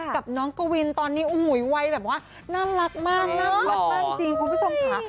กับน้องกวินตอนนี้โอ้โหวัยแบบว่าน่ารักมากน่ารักมากจริงคุณผู้ชมค่ะ